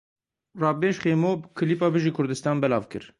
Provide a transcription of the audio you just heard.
Rapbêj Xêmo klîpa “Bijî Kurdistan” belav kir.